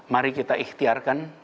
mari kita ikhtiarkan